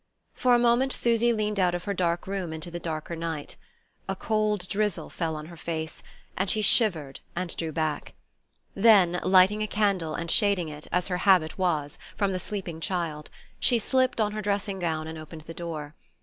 For a moment Susy leaned out of her dark room into the darker night. A cold drizzle fell on her face, and she shivered and drew back. Then, lighting a candle, and shading it, as her habit was, from the sleeping child, she slipped on her dressing gown and opened the door.